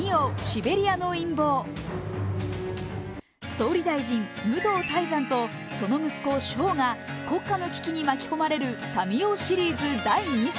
総理大臣、武藤泰山とその息子、翔が国家の聞きに巻き込まれる「民王」シリーズ第３作。